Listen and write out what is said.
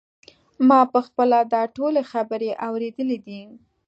ما په خپله دا ټولې خبرې اورېدلې دي.